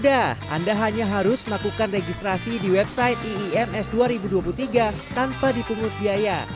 tidak anda hanya harus melakukan registrasi di website iims dua ribu dua puluh tiga tanpa dipungut biaya